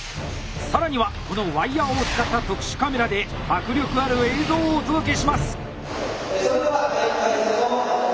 更にはこのワイヤーを使った特殊カメラで迫力ある映像をお届けします。